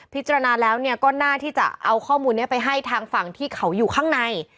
พิจารณาแล้วเนี่ยก็น่าที่จะเอาข้อมูลนี้ไปให้ทางฝั่งที่เขาอยู่ข้างใน